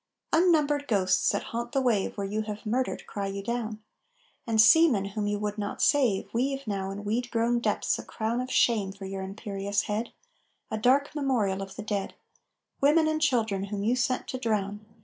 Unnumbered ghosts that haunt the wave Where you have murdered, cry you down; And seamen whom you would not save Weave now in weed grown depths a crown Of shame for your imperious head, A dark memorial of the dead, Women and children whom you sent to drown.